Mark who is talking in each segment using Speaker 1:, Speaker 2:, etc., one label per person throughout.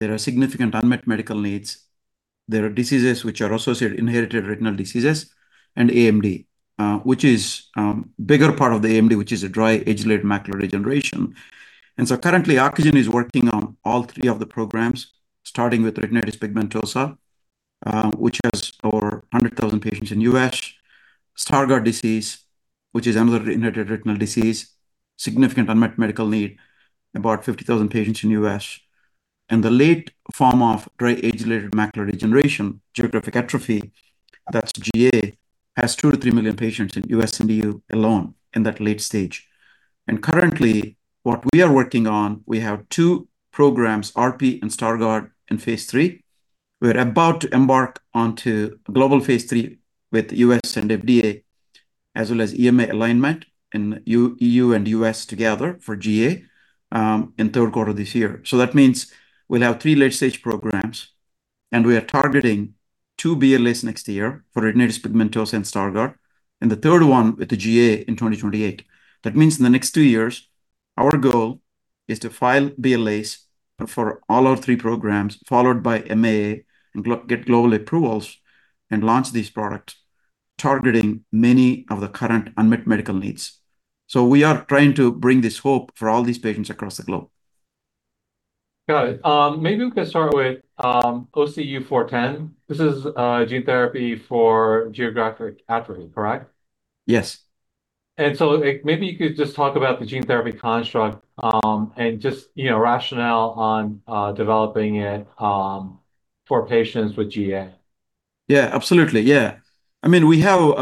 Speaker 1: There are significant unmet medical needs. There are diseases which are associated inherited retinal diseases and AMD, bigger part of the AMD, which is a dry age-related macular degeneration. Currently, Ocugen is working on all three of the programs, starting with retinitis pigmentosa, which has over 100,000 patients in U.S. Stargardt disease, which is another inherited retinal disease, significant unmet medical need, about 50,000 patients in U.S. The late form of dry age-related macular degeneration, geographic atrophy, that's GA, has 2 million-3 million patients in U.S. and EU alone in that late stage. Currently, what we are working on, we have two programs, RP and Stargardt in phase III. We're about to embark on to global phase III with U.S. and FDA, as well as EMA alignment in EU and U.S. together for GA, in third quarter this year. That means we'll have three late-stage programs, and we are targeting two BLAs next year for retinitis pigmentosa and Stargardt, and the third one with the GA in 2028. That means in the next two years, our goal is to file BLAs for all our three programs, followed by MAA and get global approvals and launch these products targeting many of the current unmet medical needs. We are trying to bring this hope for all these patients across the globe.
Speaker 2: Got it. Maybe we can start with OCU410. This is a gene therapy for geographic atrophy, correct?
Speaker 1: Yes.
Speaker 2: Maybe you could just talk about the gene therapy construct, and just rationale on developing it, for patients with GA.
Speaker 1: Yeah, absolutely. We have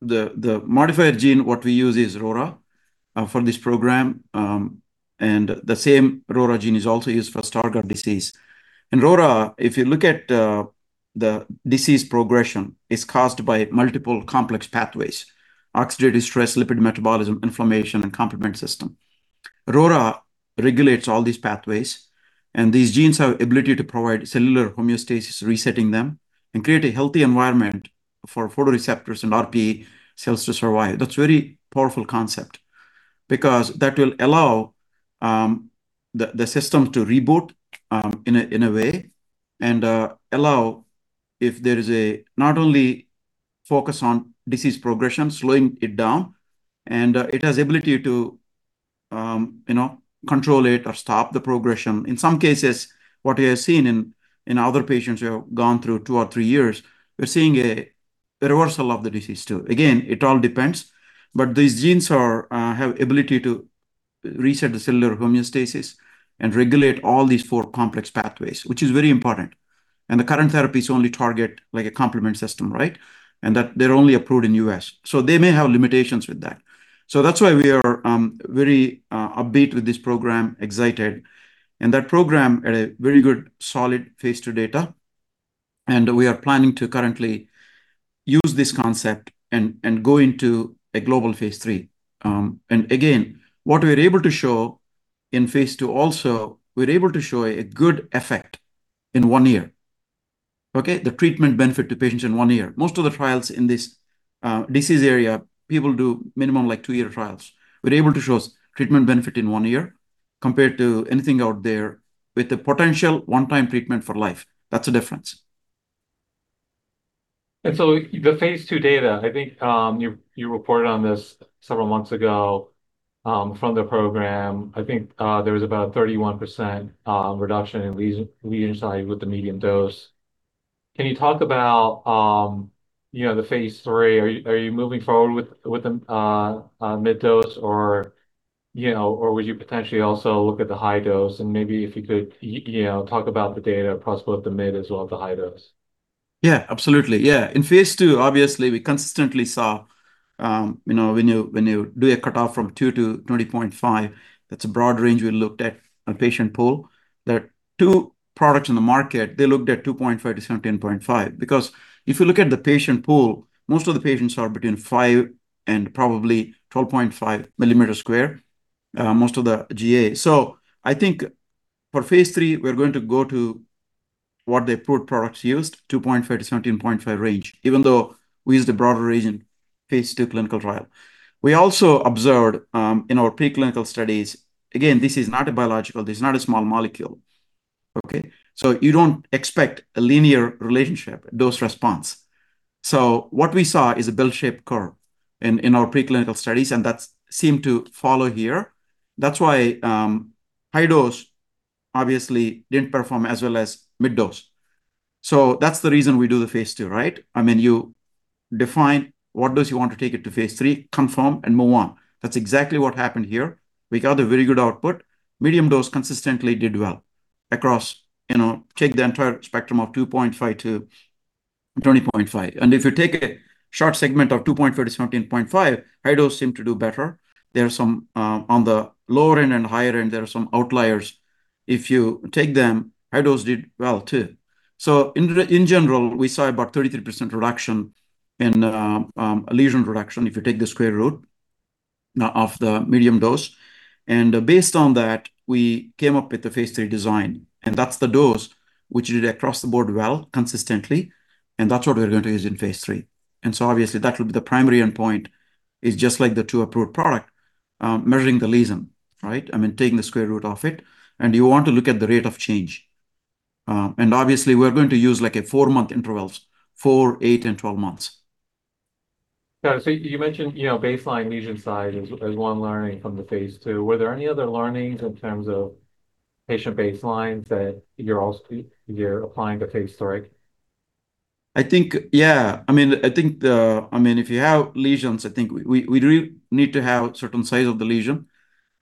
Speaker 1: the modified gene, what we use is RORA, for this program. The same RORA gene is also used for Stargardt disease. RORA, if you look at the disease progression, is caused by multiple complex pathways, oxidative stress, lipid metabolism, inflammation, and complement system. RORA regulates all these pathways, and these genes have ability to provide cellular homeostasis, resetting them, and create a healthy environment for photoreceptors and RPE cells to survive. That's very powerful concept, because that will allow the system to reboot, in a way, and allow if there is a, not only focus on disease progression, slowing it down, and it has ability to control it or stop the progression. In some cases, what we have seen in other patients who have gone through two or three years, we're seeing a reversal of the disease, too. Again, it all depends, but these genes have ability to reset the cellular homeostasis and regulate all these four complex pathways, which is very important. The current therapies only target like a complement system, right? That they're only approved in U.S. They may have limitations with that. That's why we are very upbeat with this program, excited. That program had a very good, solid phase II data, and we are planning to currently use this concept and go into a global phase III. Again, what we're able to show in phase II also, we're able to show a good effect in one year. Okay? The treatment benefit to patients in one year. Most of the trials in this disease area, people do minimum like two-year trials. We're able to show treatment benefit in one year compared to anything out there with a potential one-time treatment for life. That's the difference.
Speaker 2: The phase II data, I think, you reported on this several months ago, from the program. I think there was about a 31% reduction in lesion size with the median dose. Can you talk about the phase III? Are you moving forward with the mid dose or would you potentially also look at the high dose? Maybe if you could talk about the data across both the mid as well as the high dose.
Speaker 1: Yeah, absolutely. In phase II, obviously, we consistently saw, when you do a cutoff from 2 mm sq-20.5 mm sq, that's a broad range we looked at on patient pool. There are two products in the market, they looked at 2.5 mm sq-17.5 mm sq because if you look at the patient pool, most of the patients are between five and probably 12.5 mm sq, most of the GA. I think for phase III, we're going to go to what the approved products used, 2.5 mm sq-17.5 mm sq range, even though we used a broader range in phase II clinical trial. We also observed, in our preclinical studies, again, this is not a biological, this is not a small molecule. Okay. You don't expect a linear relationship dose response. What we saw is a bell-shaped curve in our preclinical studies, and that seemed to follow here. That's why high dose obviously didn't perform as well as mid dose. That's the reason we do the phase II, right. You define what dose you want to take it to phase III, confirm, and move on. That's exactly what happened here. We got a very good output. Medium dose consistently did well across, take the entire spectrum of 2.5 mm sq-20.5 mm sq. If you take a short segment of 2.5 mm sq-17.5 mm sq, high dose seem to do better. On the lower end and higher end, there are some outliers. If you take them, high dose did well, too. In general, we saw about 33% reduction in lesion reduction, if you take the square root of the medium dose. Based on that, we came up with the phase III design. That's the dose which did across the board well consistently. That's what we're going to use in phase III. Obviously that will be the primary endpoint is just like the two approved product, measuring the lesion, right. I mean, taking the square root of it. You want to look at the rate of change. Obviously we're going to use four-month intervals, four, eight, and 12 months.
Speaker 2: Yeah. You mentioned baseline lesion size as one learning from the phase II. Were there any other learnings in terms of patient baselines that you're applying to phase III?
Speaker 1: I think, yeah. If you have lesions, I think we really need to have certain size of the lesion,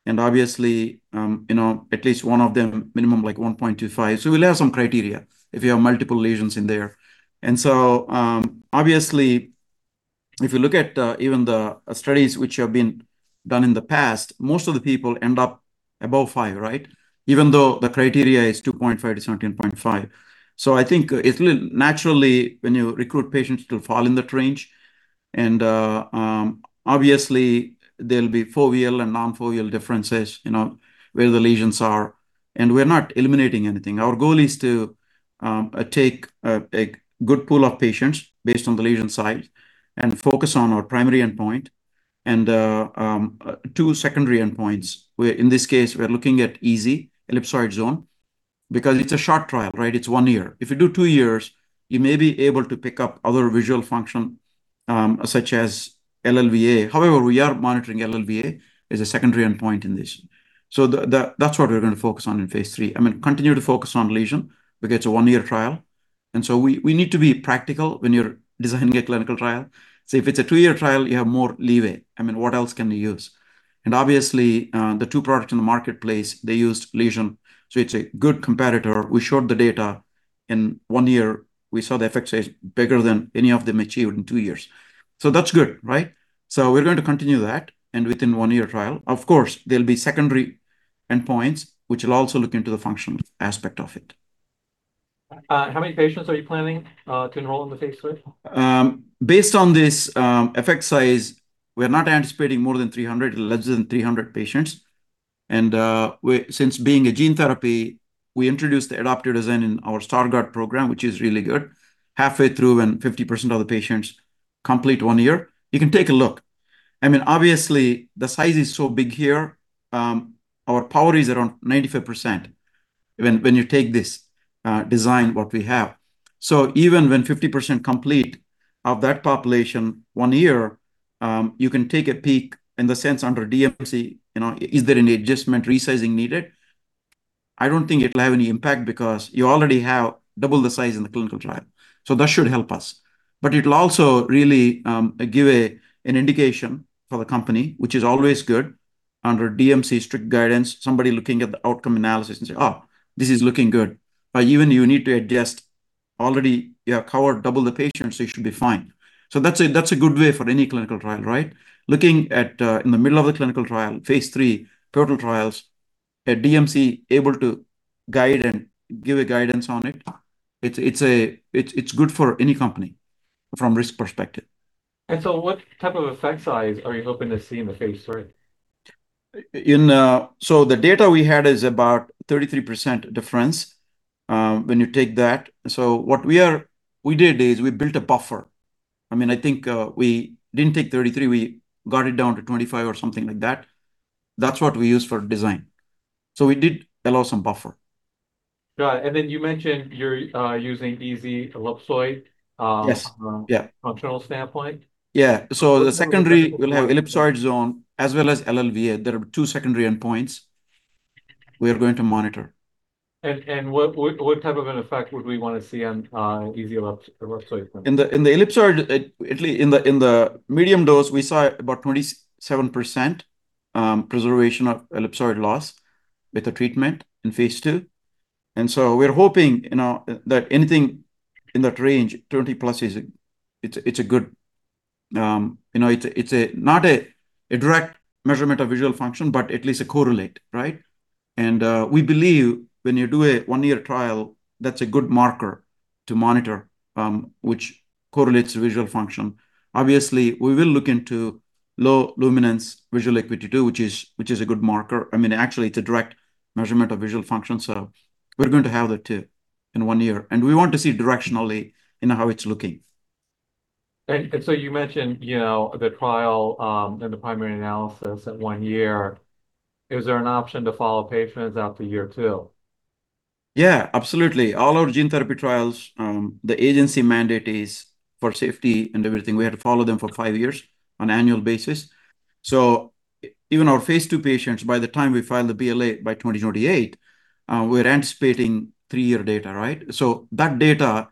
Speaker 1: and obviously, at least one of them minimum 1.25 mm sq. We'll have some criteria if you have multiple lesions in there. Obviously, if you look at even the studies which have been done in the past, most of the people end up above 5 mm sq, right? Even though the criteria is 2.5 mm sq-17.5 mm sq. I think it'll naturally, when you recruit patients, it'll fall in that range. Obviously, there'll be foveal and non-foveal differences, where the lesions are, and we're not eliminating anything. Our goal is to take a good pool of patients based on the lesion size and focus on our primary endpoint and two secondary endpoints, where in this case, we are looking at EZ, ellipsoid zone. Because it's a short trial, right? It's one year. If you do two years, you may be able to pick up other visual function, such as LLVA. However, we are monitoring LLVA as a secondary endpoint in this. That's what we're going to focus on in phase III. I mean, continue to focus on lesion because it's a one-year trial. We need to be practical when you're designing a clinical trial. If it's a two-year trial, you have more leeway. I mean, what else can we use? Obviously, the two products in the marketplace, they used lesion, so it's a good comparator. We showed the data. In one year, we saw the effect size bigger than any of them achieved in two years. That's good, right? We're going to continue that, and within one year trial. Of course, there'll be secondary endpoints, which will also look into the functional aspect of it.
Speaker 2: How many patients are you planning to enroll in the phase III?
Speaker 1: Based on this effect size, we are not anticipating more than 300, less than 300 patients. Since being a gene therapy, we introduced the adaptive design in our Stargardt program, which is really good. Halfway through, when 50% of the patients complete one year, you can take a look. Obviously, the size is so big here, our power is around 95%, when you take this design, what we have. Even when 50% complete of that population one year, you can take a peek in the sense under DMC. Is there any adjustment resizing needed? I don't think it'll have any impact because you already have double the size in the clinical trial. That should help us. It'll also really give an indication for the company, which is always good. Under DMC strict guidance, somebody looking at the outcome analysis and say, Oh, this is looking good. Even you need to adjust already your power, double the patients, you should be fine. That's a good way for any clinical trial, right? Looking in the middle of the clinical trial, phase III, pivotal trials, a DMC able to guide and give a guidance on it. It's good for any company from risk perspective.
Speaker 2: What type of effect size are you hoping to see in the phase III?
Speaker 1: The data we had is about 33% difference, when you take that. What we did is we built a buffer. I think we didn't take 33%. We got it down to 25% or something like that. That's what we used for design. We did allow some buffer.
Speaker 2: Got it. Then you mentioned you're using EZ ellipsoid zone?
Speaker 1: Yes. Yeah.
Speaker 2: From a functional standpoint?
Speaker 1: Yeah. The secondary will have ellipsoid zone as well as LLVA. There are two secondary endpoints we are going to monitor.
Speaker 2: What type of an effect would we want to see on EZ ellipsoid?
Speaker 1: In the ellipsoid, in the medium dose, we saw about 27% preservation of ellipsoid loss with the treatment in phase II. We're hoping that anything in that range, 20%+, It's not a direct measurement of visual function, but at least a correlate, right? We believe when you do a one-year trial, that's a good marker to monitor, which correlates visual function. Obviously, we will look into low luminance visual acuity, too, which is a good marker. I mean, actually, it's a direct measurement of visual function. We're going to have that, too, in one year. We want to see directionally how it's looking.
Speaker 2: You mentioned the trial, and the primary analysis at one year. Is there an option to follow patients out to year two?
Speaker 1: Yeah, absolutely. All our gene therapy trials, the agency mandate is for safety and everything. We have to follow them for five years on annual basis. Even our phase II patients, by the time we file the BLA by 2028, we're anticipating three-year data, right? That data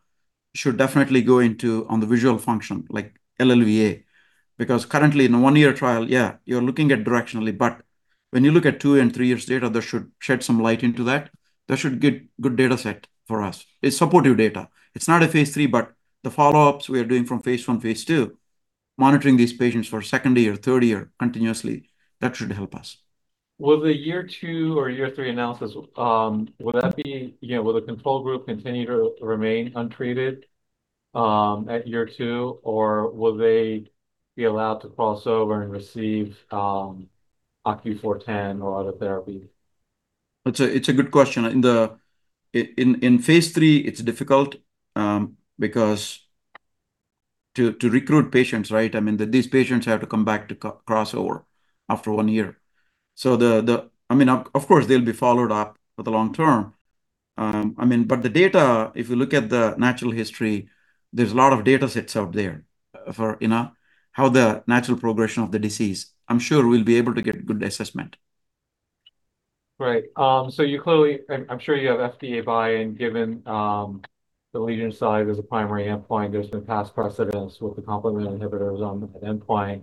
Speaker 1: should definitely go on the visual function, like LLVA. Because currently in a one-year trial, yeah, you're looking at directionally, but when you look at two and three years data, that should shed some light into that. That should get good data set for us. It's supportive data. It's not a phase III, but the follow-ups we are doing from phase I, phase II, monitoring these patients for second year, third year continuously, that should help us.
Speaker 2: Will the year two or year three analysis, will the control group continue to remain untreated at year two, or will they be allowed to cross over and receive OCU410 or other therapy?
Speaker 1: It's a good question. In phase III, it's difficult because to recruit patients, right? These patients have to come back to crossover after one year. Of course, they'll be followed up for the long term. The data, if you look at the natural history, there's a lot of data sets out there for how the natural progression of the disease. I'm sure we'll be able to get good assessment.
Speaker 2: Right. I'm sure you have FDA buy-in, given the lesion size as a primary endpoint. There's been past precedence with the complement inhibitors on that endpoint.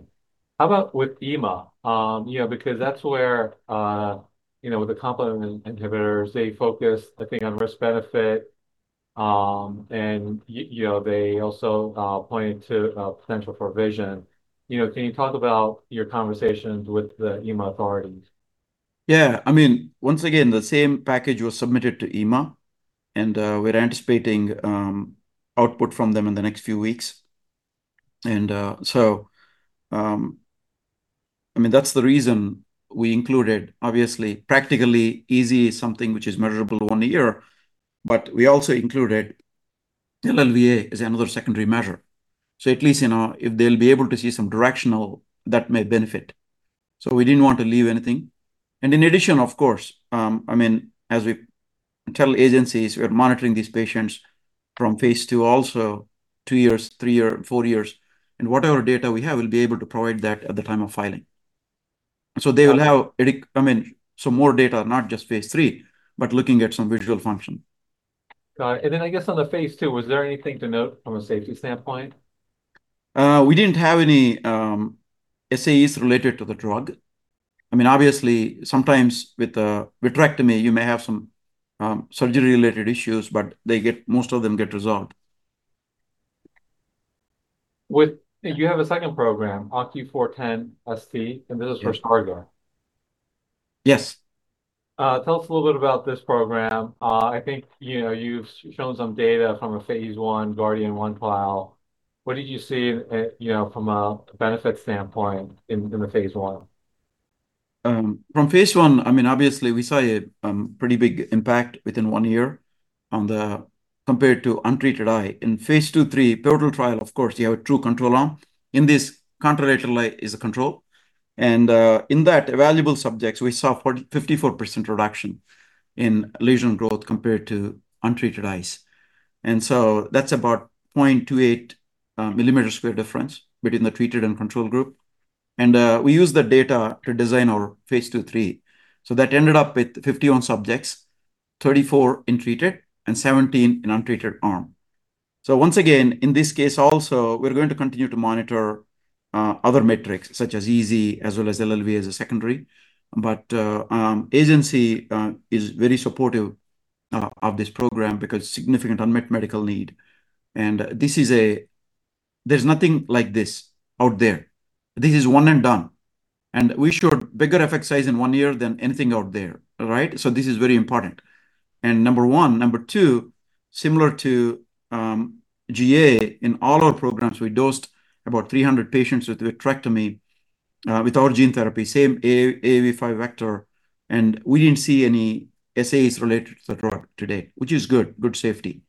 Speaker 2: How about with EMA? That's where, with the complement inhibitors, they focus, I think, on risk-benefit, and they also pointed to potential for vision. Can you talk about your conversations with the EMA authorities?
Speaker 1: Yeah. Once again, the same package was submitted to EMA, and we're anticipating output from them in the next few weeks. That's the reason we included, obviously, practically easy, something which is measurable one year, but we also included LLVA as another secondary measure. At least, if they'll be able to see some directional, that may benefit. We didn't want to leave anything. In addition, of course, as we tell agencies, we are monitoring these patients from phase II also, two years, three years, four years, and whatever data we have, we'll be able to provide that at the time of filing. They will have some more data, not just phase III, but looking at some visual function.
Speaker 2: Got it. I guess on the phase II, was there anything to note from a safety standpoint?
Speaker 1: We didn't have any SAEs related to the drug. Obviously, sometimes with a vitrectomy, you may have some surgery-related issues, but most of them get resolved.
Speaker 2: You have a second program, OCU410ST, and this is for Stargardt.
Speaker 1: Yes.
Speaker 2: Tell us a little bit about this program. I think you've shown some data from a phase I GARDian1 trial. What did you see from a benefit standpoint in the phase I?
Speaker 1: From phase I, obviously, we saw a pretty big impact within one year compared to untreated eye. In phase II/III pivotal trial, of course, you have a true control arm. In this, contralateral eye is a control. In that evaluable subjects, we saw 54% reduction in lesion growth compared to untreated eyes. That's about 0.28 mm sq difference between the treated and control group. We used the data to design our phase II/III. That ended up with 51 subjects, 34 in treated and 17 in untreated arm. Once again, in this case also, we're going to continue to monitor other metrics such as EZ as well as LLVA as a secondary. Agency is very supportive of this program because significant unmet medical need. There's nothing like this out there. This is one and done. We showed bigger effect size in one year than anything out there. Right? This is very important. Number one. Number two, similar to GA, in all our programs, we dosed about 300 patients with vitrectomy without gene therapy, same AAV5 vector, we didn't see any SAEs related to the drug today, which is good safety.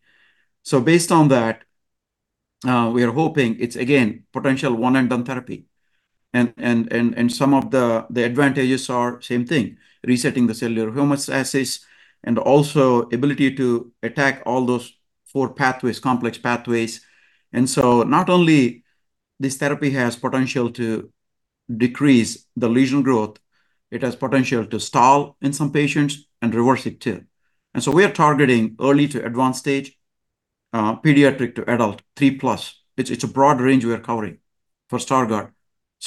Speaker 1: Based on that, we are hoping it's, again, potential one and done therapy. Some of the advantages are same thing, resetting the cellular homeostasis and also ability to attack all those four pathways, complex pathways. Not only this therapy has potential to decrease the lesion growth, it has potential to stall in some patients and reverse it, too. We are targeting early to advanced stage, pediatric to adult, three plus. It's a broad range we are covering for Stargardt.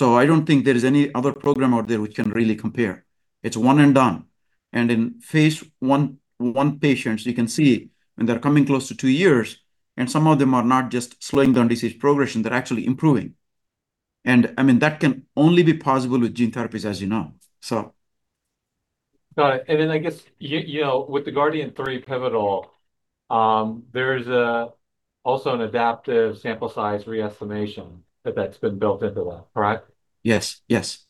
Speaker 1: I don't think there is any other program out there which can really compare. It's one and done. In phase I patients, you can see when they're coming close to two years, some of them are not just slowing down disease progression, they're actually improving. That can only be possible with gene therapies, as you know.
Speaker 2: Got it. I guess, with the GARDian3 pivotal, there's also an adaptive sample size re-estimation that's been built into that, correct?
Speaker 1: Yes. Yes.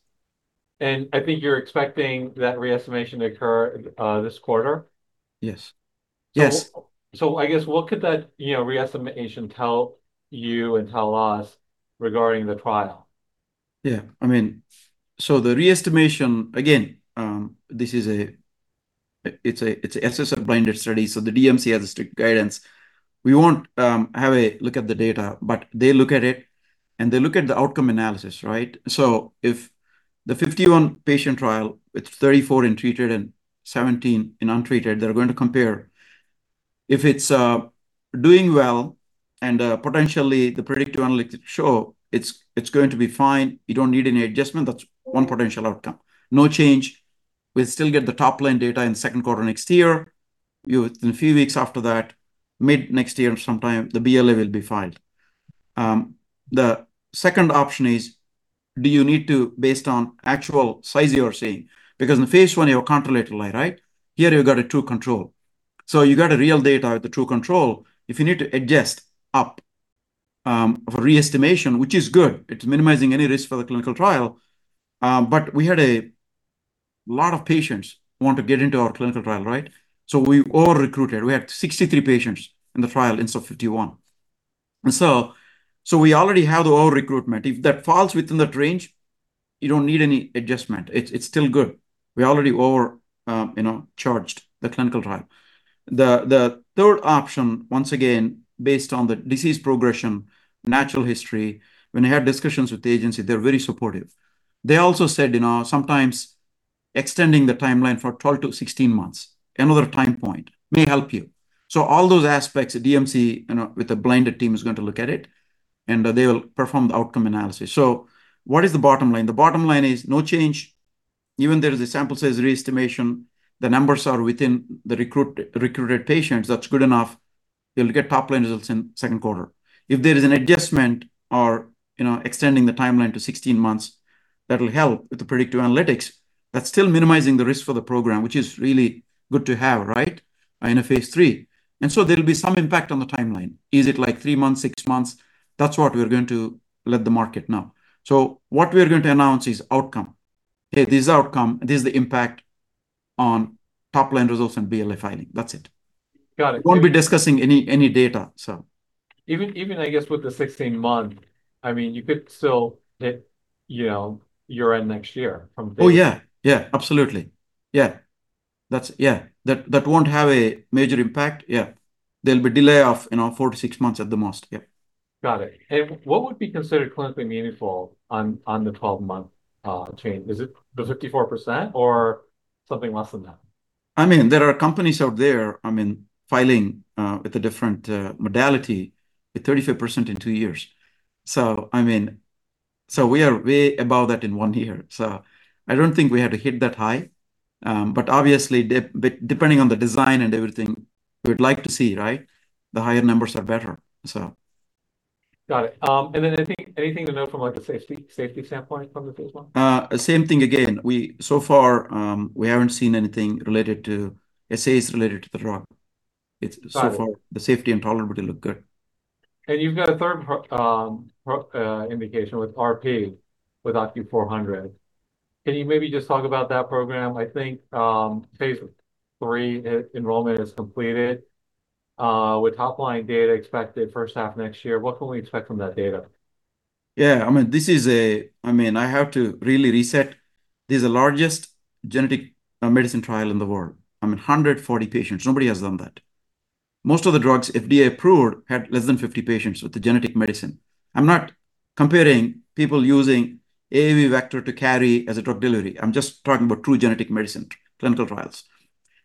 Speaker 2: I think you're expecting that re-estimation to occur this quarter?
Speaker 1: Yes. Yes.
Speaker 2: I guess what could that re-estimation tell you and tell us regarding the trial?
Speaker 1: Yeah. The re-estimation, again, it's an SSR blinded study, the DMC has a strict guidance. We won't have a look at the data, but they look at it, and they look at the outcome analysis, right? If the 51-patient trial, with 34 in treated and 17 in untreated, they're going to compare. If it's doing well and potentially the predictive analytics show it's going to be fine, you don't need any adjustment, that's one potential outcome. No change, we'll still get the top-line data in the second quarter next year. In a few weeks after that, mid-next year sometime, the BLA will be filed. The second option is do you need to based on actual size you are seeing, because in phase I, you have a contralateral eye, right? Here, you got a true control. You got a real data with the true control. If you need to adjust up of re-estimation, which is good. It's minimizing any risk for the clinical trial. We had a lot of patients who want to get into our clinical trial, right? We over-recruited. We had 63 patients in the trial instead of 51. We already have the over-recruitment. If that falls within that range, you don't need any adjustment. It's still good. We already over-charged the clinical trial. The third option, once again, based on the disease progression, natural history, when I had discussions with the agency, they're very supportive. They also said, sometimes extending the timeline for 12 to 16 months, another time point may help you. All those aspects, the DMC, with a blinded team, is going to look at it, and they will perform the outcome analysis. What is the bottom line? The bottom line is no change. Even there is a sample size re-estimation, the numbers are within the recruited patients. That's good enough. They'll get top line results in second quarter. If there is an adjustment or extending the timeline to 16 months, that'll help with the predictive analytics. That's still minimizing the risk for the program, which is really good to have, right, in a phase III. There'll be some impact on the timeline. Is it like three months, six months? That's what we are going to let the market know. What we are going to announce is outcome. Hey, this is the outcome, this is the impact on top line results and BLA filing. That's it.
Speaker 2: Got it.
Speaker 1: Won't be discussing any data.
Speaker 2: Even, I guess with the 16-month, you could still hit year-end next year.
Speaker 1: Oh, yeah. Absolutely. Yeah. That won't have a major impact. Yeah. There'll be delay of four to six months at the most. Yeah.
Speaker 2: What would be considered clinically meaningful on the 12-month change? Is it the 54% or something less than that?
Speaker 1: There are companies out there filing, with a different modality, with 35% in two years. We are way above that in one year, so I don't think we had to hit that high. Obviously, depending on the design and everything, we would like to see, right? The higher numbers are better.
Speaker 2: Got it. Anything to note from, like, the safety standpoint from the phase I?
Speaker 1: Same thing again. So far, we haven't seen anything related to SAEs related to the drug.
Speaker 2: Got it.
Speaker 1: The safety and tolerability look good.
Speaker 2: You've got a third indication with RP with OCU400. Can you maybe just talk about that program? I think, phase III enrollment is completed, with top line data expected first half next year. What can we expect from that data?
Speaker 1: I have to really reset. This is the largest genetic medicine trial in the world. 140 patients. Nobody has done that. Most of the drugs FDA approved had less than 50 patients with the genetic medicine. I'm not comparing people using AAV vector to carry as a drug delivery. I'm just talking about true genetic medicine clinical trials.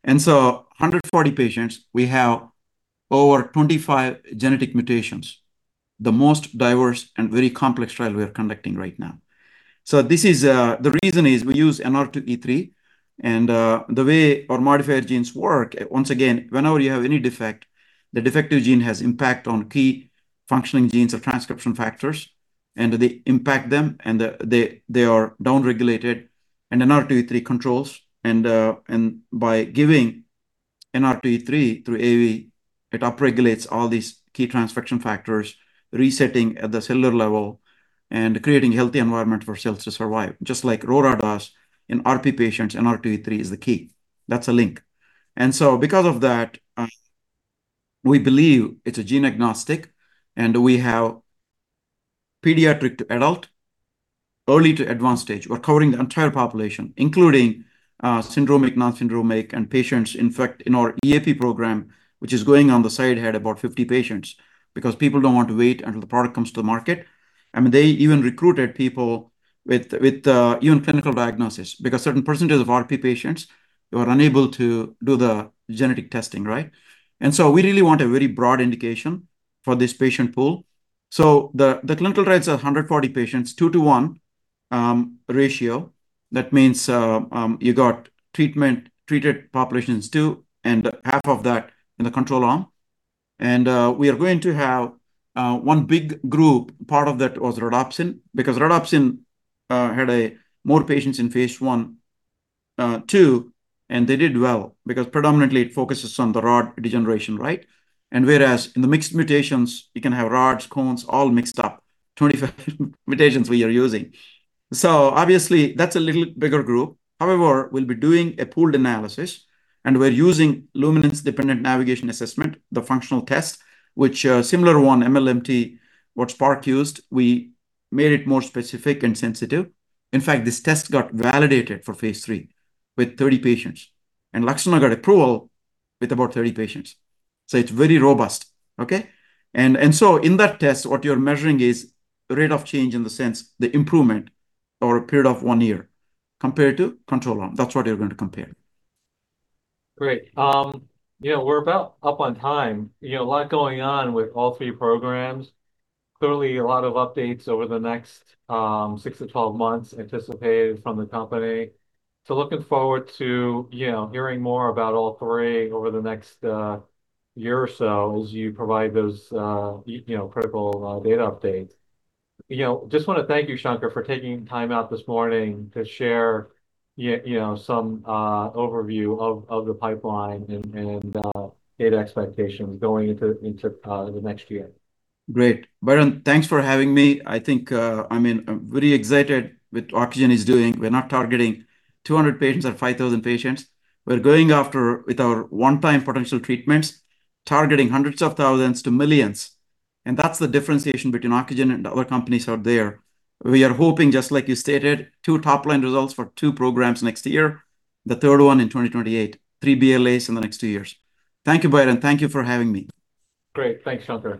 Speaker 1: 140 patients, we have over 25 genetic mutations. The most diverse and very complex trial we are conducting right now. The reason is we use NR2E3, the way our modified genes work, once again, whenever you have any defect, the defective gene has impact on key functioning genes of transcription factors, and they impact them, and they are down-regulated and NR2E3 controls. By giving NR2E3 through AAV, it upregulates all these key transcription factors, resetting at the cellular level and creating healthy environment for cells to survive, just like RORA does in RP patients, NR2E3 is the key. That's a link. Because of that, we believe it's a gene agnostic and we have pediatric to adult, early to advanced stage. We're covering the entire population, including syndromic, non-syndromic, and patients, in fact, in our EAP program, which is going on the side, had about 50 patients because people don't want to wait until the product comes to the market. They even recruited people with even clinical diagnosis because certain percentage of RP patients were unable to do the genetic testing, right? We really want a very broad indication for this patient pool. The clinical trials are 140 patients, 2:1 ratio. That means you got treated populations two and half of that in the control arm. We are going to have one big group. Part of that was rhodopsin, because rhodopsin had more patients in phase I, II, and they did well because predominantly it focuses on the rod degeneration, right? Whereas in the mixed mutations, you can have rods, cones, all mixed up, 25 mutations we are using. Obviously that's a little bigger group. However, we'll be doing a pooled analysis and we're using Luminance Dependent Navigation Assessment, the functional test, which similar one MLMT, what Spark used, we made it more specific and sensitive. In fact, this test got validated for phase III with 30 patients. LUXTURNA got approval with about 30 patients. It's very robust. Okay? In that test, what you're measuring is rate of change in the sense the improvement over a period of one year compared to control arm. That's what they're going to compare.
Speaker 2: Great. We're about up on time. A lot going on with all three programs. Clearly a lot of updates over the next 6-12 months anticipated from the company. Looking forward to hearing more about all three over the next year or so as you provide those critical data updates. Just want to thank you, Shankar, for taking time out this morning to share some overview of the pipeline and data expectations going into the next year.
Speaker 1: Great. Biren, thanks for having me. I'm very excited with what Ocugen is doing. We're not targeting 200 patients or 5,000 patients. We're going after with our one-time potential treatments, targeting hundreds of thousands to millions, and that's the differentiation between Ocugen and other companies out there. We are hoping, just like you stated, two top-line results for two programs next year, the third one in 2028, three BLAs in the next two years. Thank you, Biren. Thank you for having me.
Speaker 2: Great. Thanks, Shankar.